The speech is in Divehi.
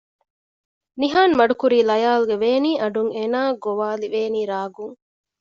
ނިހާން މަޑުކުރީ ލަޔާލުގެ ވޭނީ އަޑުން އޭނައަށް ގޮވާލި ވޭނީ ރާގުން